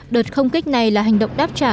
đợt không kích này là hành động đáp trả